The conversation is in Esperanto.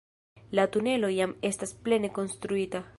La tunelo jam estas plene konstruita.